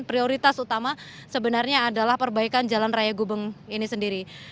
prioritas utama sebenarnya adalah perbaikan jalan raya gubeng ini sendiri